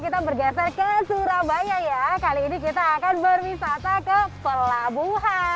kita bergeser ke surabaya ya kali ini kita akan berwisata ke pelabuhan